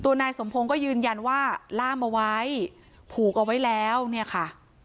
นายสมพงศ์ก็ยืนยันว่าล่ามเอาไว้ผูกเอาไว้แล้วเนี่ยค่ะ